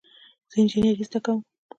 زه انجینری زده کوم